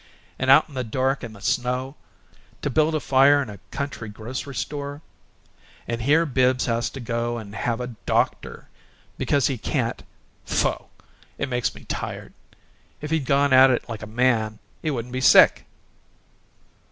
and out in the dark and the snow to build a fire in a country grocery store? And here Bibbs has to go and have a DOCTOR because he can't Pho! it makes me tired! If he'd gone at it like a man he wouldn't be sick."